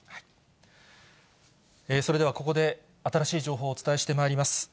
それでは、ここで新しい情報をお伝えしてまいります。